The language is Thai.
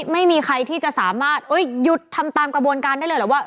ไม่มีใครที่จะสามารถหยุดทำตามกระบวนการได้เลยเหรอว่า